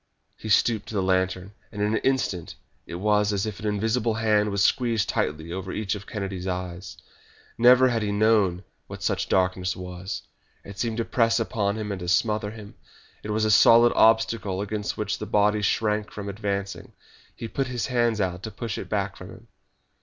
He stooped to the lantern, and in an instant it was as if an invisible hand was squeezed tightly over each of Kennedy's eyes. Never had he known what such darkness was. It seemed to press upon him and to smother him. It was a solid obstacle against which the body shrank from advancing. He put his hands out to push it back from him.